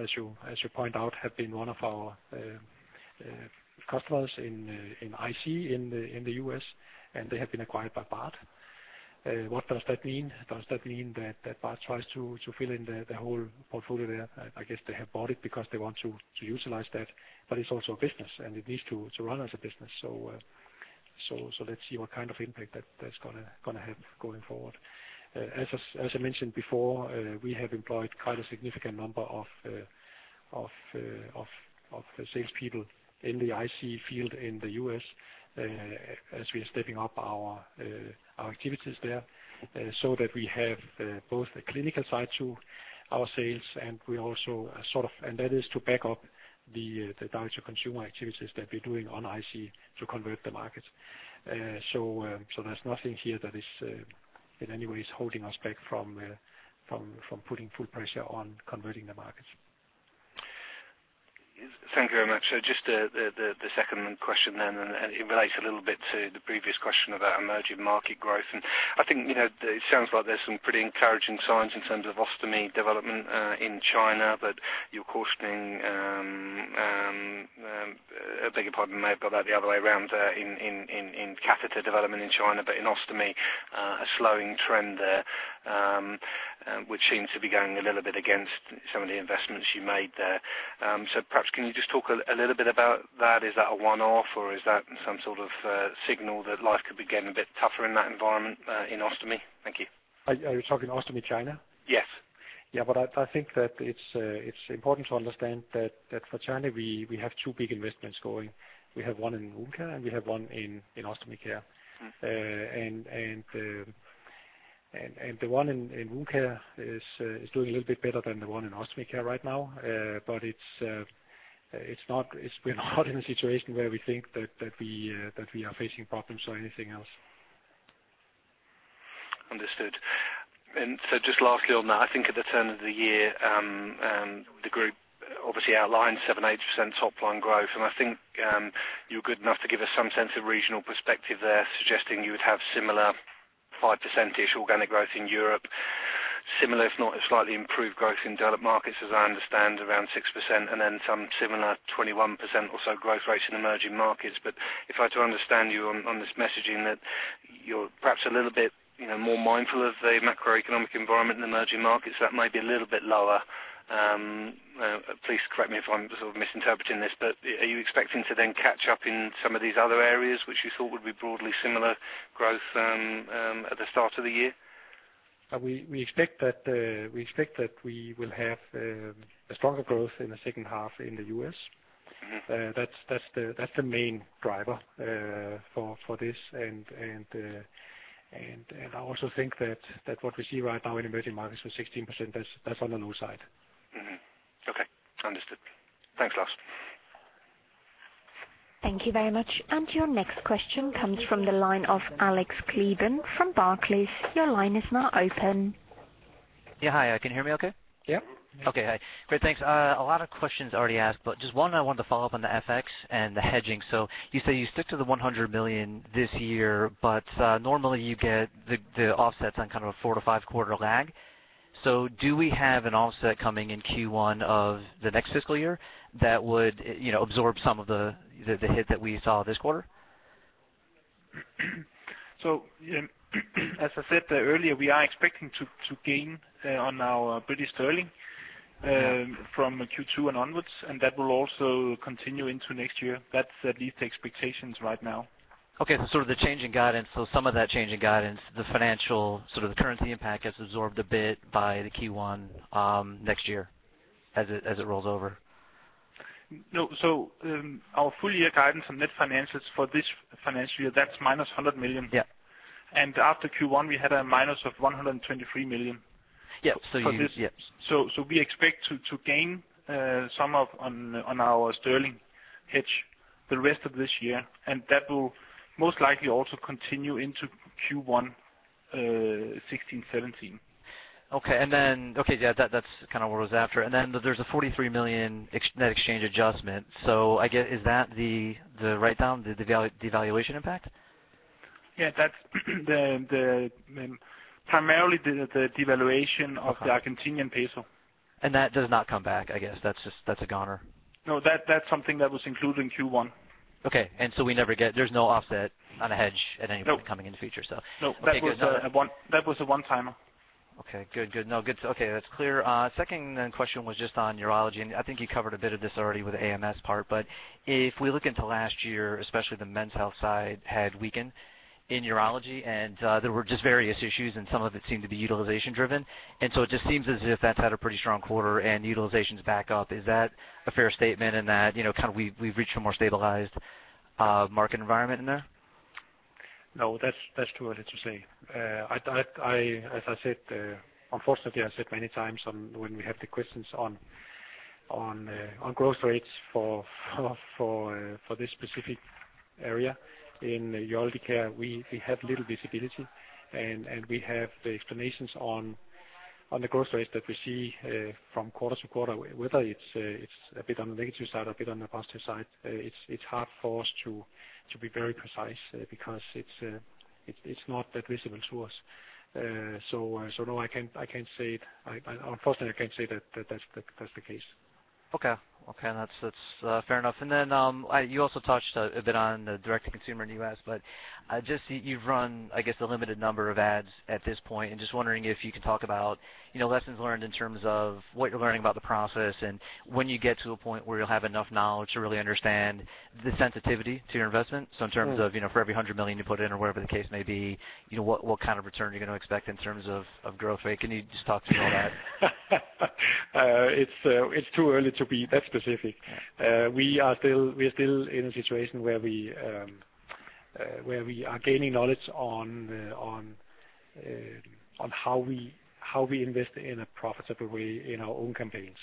as you point out, have been one of our customers in IC, in the U.S., and they have been acquired by Bard. What does that mean? Does that mean that Bard tries to fill in the whole portfolio there? I guess they have bought it because they want to utilize that, but it's also a business, and it needs to run as a business. Let's see what kind of impact that's gonna have going forward. As I mentioned before, we have employed quite a significant number of salespeople in the IC field in the U.S., as we are stepping up our activities there, so that we have, both the clinical side to our sales, and we also and that is to back up the direct-to-consumer activities that we're doing on IC to convert the market. There's nothing here that is, in any way is holding us back from putting full pressure on converting the markets. Thank you very much. Just the second question then, and it relates a little bit to the previous question about emerging market growth. I think, you know, it sounds like there's some pretty encouraging signs in terms of ostomy development in China, but you're cautioning, I beg your pardon, maybe I've got that the other way around, in catheter development in China. But in ostomy, a slowing trend there, which seems to be going a little bit against some of the investments you made there. Perhaps can you just talk a little bit about that? Is that a one-off, or is that some sort of signal that life could be getting a bit tougher in that environment, in ostomy? Thank you. Are you talking Ostomy China? Yes. I think that it's important to understand that for China, we have two big investments going. We have one in Wound Care, and we have one in Ostomy Care. Mm-hmm. The one in Wound Care is doing a little bit better than the one in Ostomy Care right now. It's not, we're not in a situation where we think that we are facing problems or anything else. Understood. Just lastly on that, I think at the turn of the year, the group obviously outlined 7%-8% top line growth. I think, you're good enough to give us some sense of regional perspective there, suggesting you would have similar 5% organic growth in Europe. Similar, if not a slightly improved growth in developed markets, as I understand, around 6%, and then some similar 21% or so growth rate in emerging markets. If I do understand you on this messaging, that you're perhaps a little bit, you know, more mindful of the macroeconomic environment in emerging markets, that might be a little bit lower. Please correct me if I'm sort of misinterpreting this, are you expecting to then catch up in some of these other areas, which you thought would be broadly similar growth at the start of the year? We expect that we will have a stronger growth in the second half in the U.S. Mm-hmm. That's the main driver for this. I also think that what we see right now in emerging markets with 16%, that's on the low side. Mm-hmm. Okay. Understood. Thanks, Lars. Thank you very much. Your next question comes from the line of Alex Gilden from Barclays. Your line is now open. Yeah, hi, can you hear me okay? Yeah. Okay. Hi, great, thanks. A lot of questions already asked, just one, I wanted to follow up on the FX and the hedging. You say you stick to the 100 million this year, normally you get the offsets on kind of a four to five quarter lag. Do we have an offset coming in Q1 of the next fiscal year that would, you know, absorb some of the, the hit that we saw this quarter? As I said earlier, we are expecting to gain on our British Sterling- Mm-hmm... from Q2 and onwards, and that will also continue into next year. That's at least the expectations right now. Okay, so some of that change in guidance, the financial, sort of the currency impact gets absorbed a bit by the Q1, next year, as it rolls over. Our full year guidance on net finances for this financial year, that's - 100 million. Yeah. After Q1, we had a minus of 123 million. Yeah. for this. Yeah. we expect to gain some of on our Sterling hedge the rest of this year. That will most likely also continue into Q1 2016, 2017.... Okay, and then, okay, yeah, that's kind of what I was after. There's a 43 million net exchange adjustment. Is that the write down, the devaluation impact? Yeah, that's primarily the devaluation of the Argentinian Peso. That does not come back, I guess, that's just, that's a goner. No, that's something that was included in Q1. Okay, We never get, there's no offset on a hedge at any point? No. coming in the future, so? No, that was a one, that was a one timer. Okay, good. Good. No, good. Okay, that's clear. Second then question was just on urology, and I think you covered a bit of this already with the AMS part. If we look into last year, especially the men's health side, had weakened in urology, and there were just various issues, and some of it seemed to be utilization driven. It just seems as if that's had a pretty strong quarter, and utilization's back up. Is that a fair statement in that, you know, kind of we've reached a more stabilized market environment in there? No, that's true, what you say. I, as I said, unfortunately, I said many times on when we have the questions on growth rates for this specific area in Urology Care, we have little visibility, and we have the explanations on the growth rates that we see from quarter-to-quarter, whether it's a bit on the negative side or a bit on the positive side. It's hard for us to be very precise, because it's not that visible to us. No, I can't say it. I, unfortunately, can't say that that's the case. Okay. Okay, that's fair enough. Then you also touched a bit on the direct-to-consumer in the U.S., but just you've run, I guess, a limited number of ads at this point. Just wondering if you could talk about, you know, lessons learned in terms of what you're learning about the process, and when you get to a point where you'll have enough knowledge to really understand the sensitivity to your investment. In terms of- Mm. you know, for every 100 million you put in or whatever the case may be, you know, what kind of return are you going to expect in terms of growth rate? Can you just talk to me about that? It's too early to be that specific. We are still in a situation where we are gaining knowledge on how we invest in a profitable way in our own campaigns.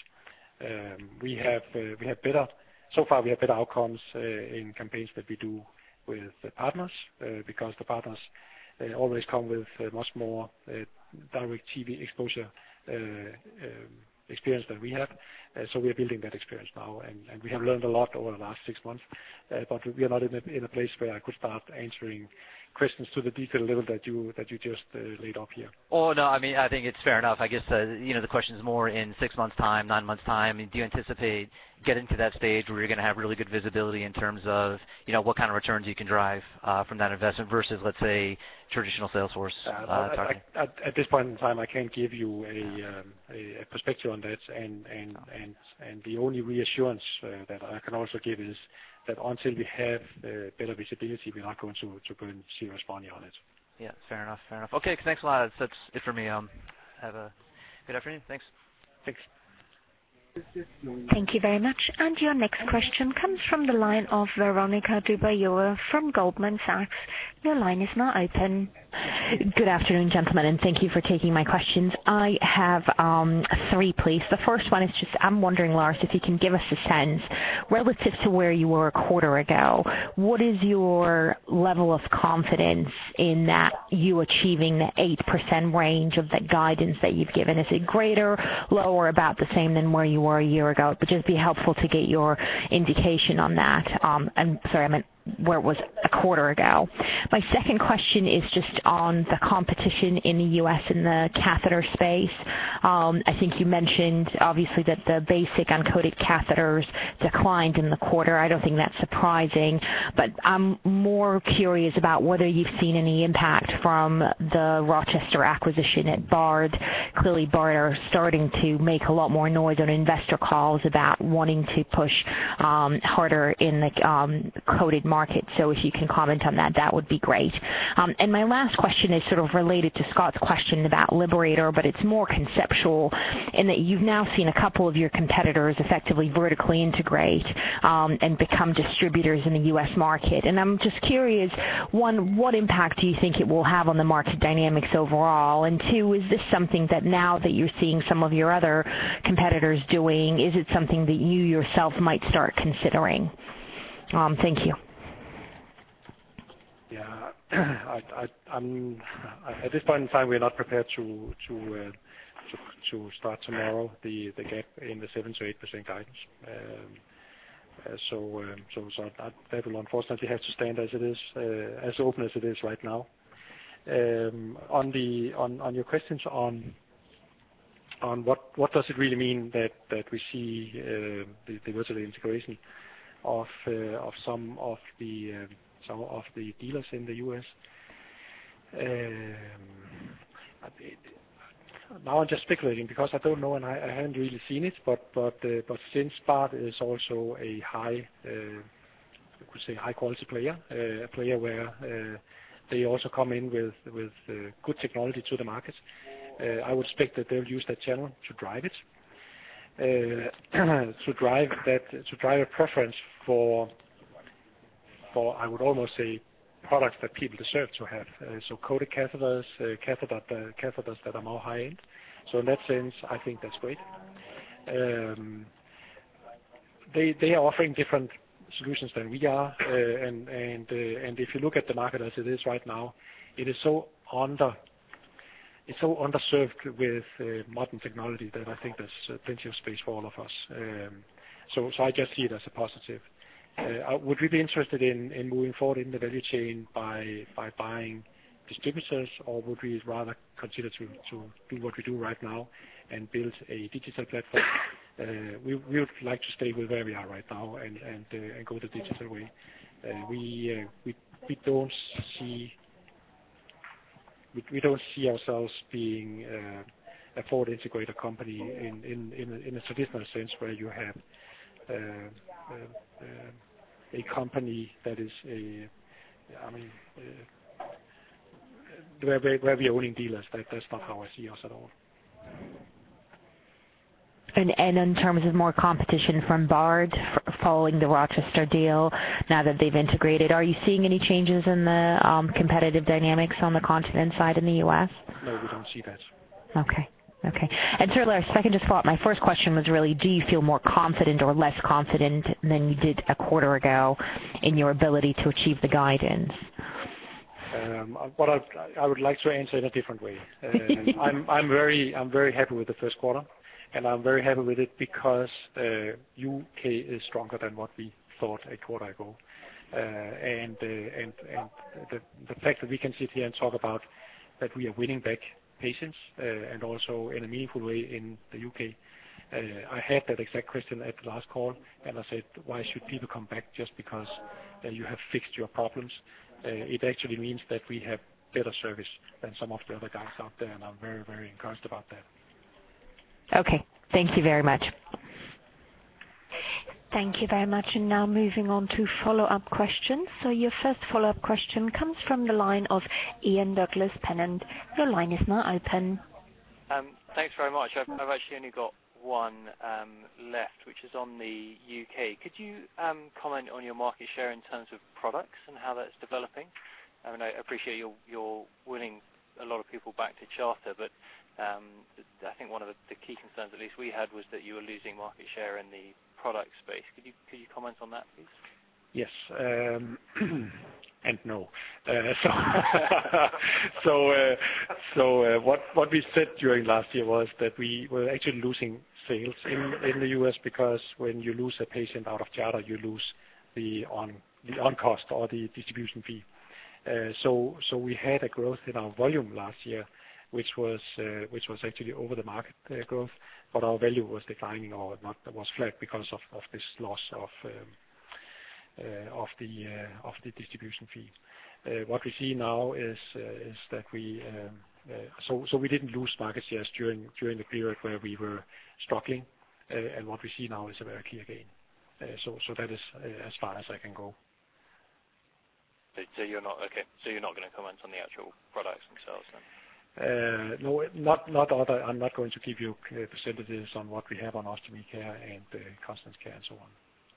So far, we have better outcomes in campaigns that we do with partners because the partners always come with a much more direct TV exposure experience than we have. We are building that experience now, and we have learned a lot over the last six months. We are not in a place where I could start answering questions to the detail level that you just laid out here. Oh, no, I mean, I think it's fair enough. I guess, you know, the question is more in six months time, nine months time, do you anticipate getting to that stage where you're going to have really good visibility in terms of, you know, what kind of returns you can drive from that investment versus, let's say, traditional sales force target? At this point in time, I can't give you a perspective on that. The only reassurance that I can also give is that until we have better visibility, we're not going to go and see responding on it. Yeah, fair enough. Fair enough. Okay, thanks a lot. That's it for me. Have a good afternoon. Thanks. Thanks. Thank you very much. Your next question comes from the line of Veronika Dubajova from Goldman Sachs. Your line is now open. Good afternoon, gentlemen, and thank you for taking my questions. I have three, please. The first one is just, I'm wondering, Lars, if you can give us a sense, relative to where you were a quarter ago, what is your level of confidence in that you achieving the 8% range of the guidance that you've given? Is it greater, lower, about the same than where you were a year ago? It would just be helpful to get your indication on that. I'm sorry, I meant where it was a quarter ago. My second question is just on the competition in the U.S. in the catheter space. I think you mentioned obviously, that the basic uncoated catheters declined in the quarter. I don't think that's surprising, but I'm more curious about whether you've seen any impact from the Rochester acquisition at Bard. Clearly, Bard are starting to make a lot more noise on investor calls about wanting to push, harder in the, coated market. If you can comment on that would be great. My last question is sort of related to Scott's question about Liberator, but it's more conceptual in that you've now seen a couple of your competitors effectively vertically integrate, and become distributors in the U.S. market. I'm just curious, one, what impact do you think it will have on the market dynamics overall? Two, is this something that now that you're seeing some of your other competitors doing, is it something that you yourself might start considering? Thank you. I'm at this point in time, we are not prepared to start tomorrow, the gap in the 7%-8% guidance. That will unfortunately have to stand as it is, as open as it is right now. On your questions on what does it really mean that we see the vertical integration of some of the dealers in the US? Now I'm just speculating because I don't know, and I haven't really seen it, since Bard is also a high, you could say, high quality player, a player where they also come in with, good technology to the market, I would expect that they'll use that channel to drive it. To drive that, to drive a preference for, I would almost say, products that people deserve to have. Coated catheters that are more high-end. In that sense, I think that's great. They are offering different solutions than we are. If you look at the market as it is right now, it's so underserved with modern technology that I think there's plenty of space for all of us. I just see it as a positive. Would we be interested in moving forward in the value chain by buying distributors, or would we rather consider to do what we do right now and build a digital platform? We would like to stay with where we are right now and go the digital way. We don't see ourselves being a forward integrator company in a traditional sense, where you have a company that is a, I mean, where we're owning dealers. That's not how I see us at all. In terms of more competition from Bard following the Rochester deal, now that they've integrated, are you seeing any changes in the competitive dynamics on the Continence Care side in the U.S.? No, we don't see that. Okay. Okay, sir, second just thought. My first question was really, do you feel more confident or less confident than you did a quarter ago in your ability to achieve the guidance? I would like to answer in a different way. I'm very happy with the first quarter, and I'm very happy with it because U.K. is stronger than what we thought a quarter ago. The fact that we can sit here and talk about that we are winning back patients and also in a meaningful way in the U.K. I had that exact question at the last call, and I said: "Why should people come back just because you have fixed your problems?" It actually means that we have better service than some of the other guys out there, I'm very encouraged about that. Okay. Thank you very much. Thank you very much. Now moving on to follow-up questions. Your first follow-up question comes from the line of Ian Douglas-Pennant. Your line is now open. Thanks very much. I've actually only got one left, which is on the U.K. Could you comment on your market share in terms of products and how that's developing? I mean, I appreciate you're winning a lot of people back to Charter, but I think one of the key concerns at least we had, was that you were losing market share in the product space. Could you comment on that, please? Yes, and no. What we said during last year was that we were actually losing sales in the U.S. because when you lose a patient out of Charter, you lose the on cost or the distribution fee. We had a growth in our volume last year, which was actually over the market growth, but our value was declining or not, was flat because of this loss of the distribution fees. What we see now is that we. We didn't lose market shares during the period where we were struggling, and what we see now is a very clear gain. That is as far as I can go. You're not... Okay. You're not going to comment on the actual products and sales then? No, I'm not going to give you percentages on what we have on Ostomy Care and Continence Care and so on.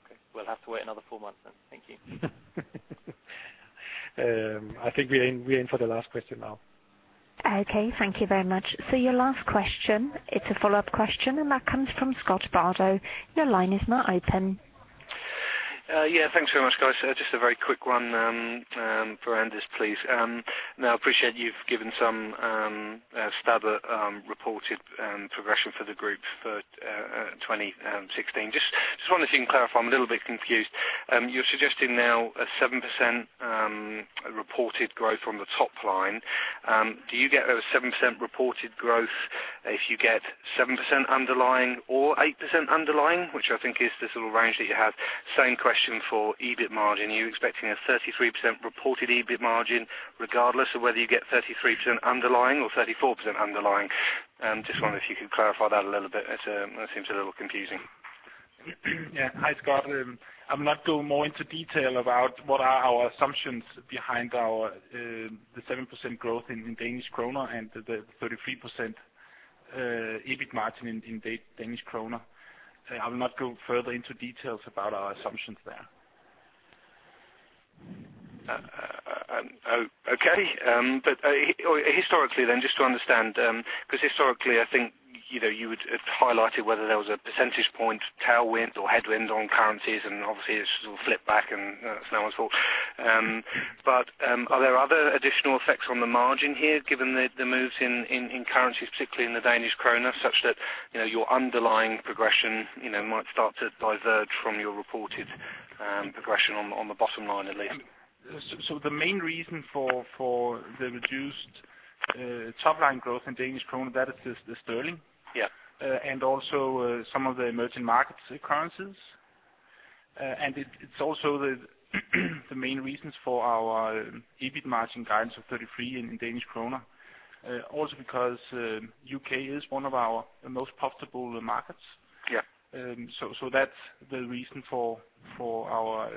Okay. We'll have to wait another four months then. Thank you. I think we're in for the last question now. Okay, thank you very much. Your last question, it's a follow-up question, and that comes from Scott Bardo. Your line is now open. Yeah, thanks very much, guys. Just a very quick one for Anders, please. Now, I appreciate you've given some stubborn reported progression for the group for 2016. Just wondering if you can clarify, I'm a little bit confused. You're suggesting now a 7% reported growth on the top line. Do you get a 7% reported growth if you get 7% underlying or 8% underlying, which I think is the sort of range that you have? Same question for EBIT margin. Are you expecting a 33% reported EBIT margin, regardless of whether you get 33% underlying or 34% underlying? Just wondering if you could clarify that a little bit. It seems a little confusing. Hi, Scott. I will not go more into detail about what are our assumptions behind our, the 7% growth in DKK and the 33% EBIT margin in DKK. I will not go further into details about our assumptions there. Okay. Historically then, just to understand, because historically, I think, you know, you would have highlighted whether there was a percentage point tailwind or headwind on currencies, and obviously this will flip back and that's no one's fault. Are there other additional effects on the margin here, given the moves in currencies, particularly in the DKK, such that, you know, your underlying progression, you know, might start to diverge from your reported progression on the bottom line, at least? The main reason for the reduced top line growth in DKK, that is the sterling. Yeah. Also, some of the emerging markets currencies. It's also the main reasons for our EBIT margin guidance of 33% in DKK. Also because, U.K. is one of our most profitable markets. Yeah. That's the reason for our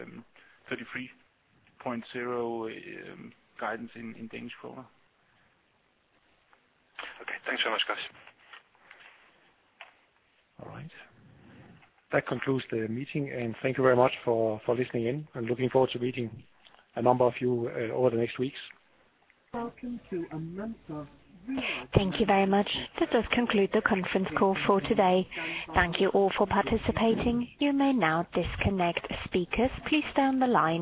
33.0 guidance in DKK. Okay, thanks so much, guys. All right. That concludes the meeting, and thank you very much for listening in, and looking forward to meeting a number of you over the next weeks. Thank you very much. This does conclude the conference call for today. Thank you all for participating. You may now disconnect. Speakers, please stay on the line.